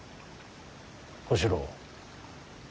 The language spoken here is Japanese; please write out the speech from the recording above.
小四郎。